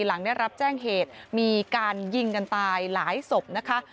หลังได้รับแจ้งเหตุมีการยิงกันตายหลายศพนะคะ